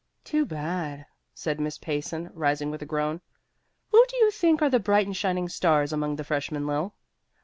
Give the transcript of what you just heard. "Too bad," said Miss Payson, rising with a groan. "Who do you think are the bright and shining stars among the freshmen, Lil?"